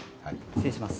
失礼します